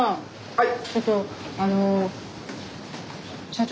・はい。